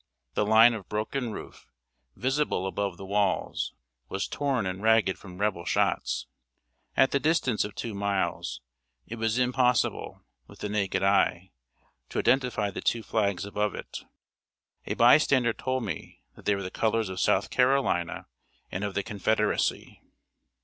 The line of broken roof, visible above the walls, was torn and ragged from Rebel shots. At the distance of two miles, it was impossible, with the naked eye, to identify the two flags above it. A bystander told me that they were the colors of South Carolina and of the Confederacy.